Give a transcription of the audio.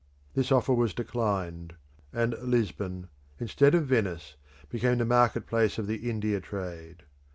This offer was declined, and Lisbon, instead of Venice, became the market place of the India trade.